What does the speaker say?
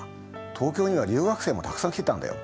東京には留学生もたくさん来てたんだよ。